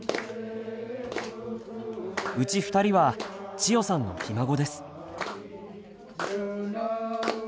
うち２人は千代さんのひ孫です。